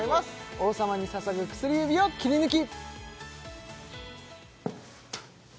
「王様に捧ぐ薬指」をキリヌキ！